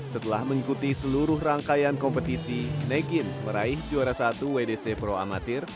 setelah mengikuti seluruh rangkaian kompetisi negin meraih juara satu wdc pro amatir